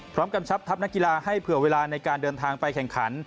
กำชับทัพนักกีฬาให้เผื่อเวลาในการเดินทางไปแข่งขัน